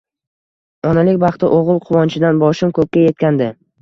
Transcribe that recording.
Onalik baxti, o`g`il quvonchidan boshim ko`kka etgandi